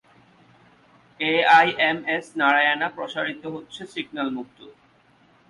এআইএমএস-নারায়ানা প্রসারিত হচ্ছে সিগন্যাল-মুক্ত।